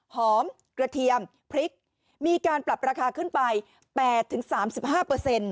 หอมกระเทียมพริกมีการปรับราคาขึ้นไป๘๓๕เปอร์เซ็นต์